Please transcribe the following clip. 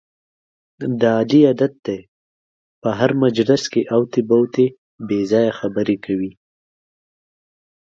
د علي عادت دی، په هر مجلس کې اوتې بوتې بې ځایه خبرې کوي.